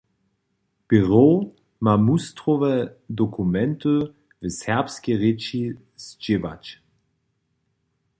Běrow ma mustrowe dokumenty w serbskej rěči zdźěłać.